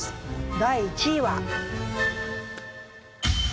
第１位は。